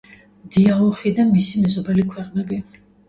დიაოხი და მისი მეზობელი ქვეყნები